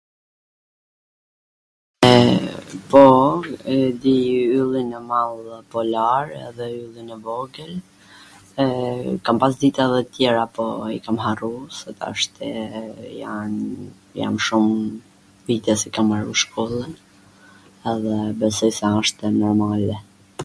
e, po, e di Yllin e Madh Polar edhe Yllin e Vogwl, eee kam pas dit edhe tjera por i kam harru se tashti jan shum vite si kam maru shkollwn edhe besoj se ashtw normale